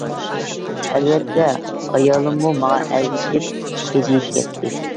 ئەلۋەتتە، ئايالىممۇ ماڭا ئەگىشىپ ھىجىيىپ كەتتى.